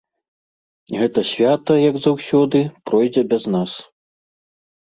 Гэта свята, як заўсёды, пройдзе без нас.